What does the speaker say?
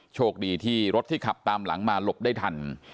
โชคดีที่รถที่ขับตามหลังมาหลบได้ทัน